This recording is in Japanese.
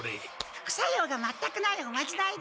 副作用が全くないおまじないです！